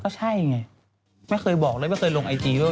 ก็ใช่ไงไม่เคยบอกเลยไม่เคยลงไอจีก็ไม่เคย